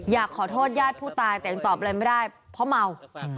อยากขอโทษญาติผู้ตายแต่ยังตอบอะไรไม่ได้เพราะเมา